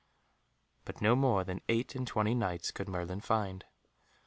But no more than eight and twenty Knights could Merlin find.